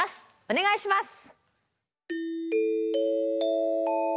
お願いします。